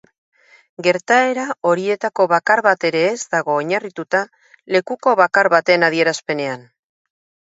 Gertaera horietako bakar bat ere ez dago oinarritua lekuko bakar baten adierazpenean.